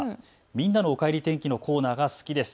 みんなのおかえり天気のコーナーが好きです。